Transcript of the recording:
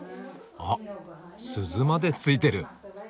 あっ鈴まで付いてる。